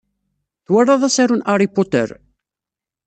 Twalaḍ asaru n Harry Potter?